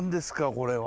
これは。